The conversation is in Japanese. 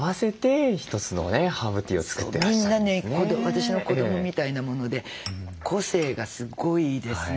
私の子どもみたいなもので個性がすごいですね